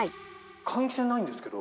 換気扇ないんですけど。